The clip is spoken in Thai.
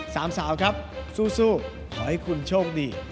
สามสาวครับสู้ขอให้คุณโชคดี